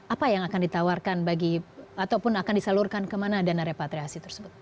apa yang akan ditawarkan bagi ataupun akan disalurkan kemana dana repatriasi tersebut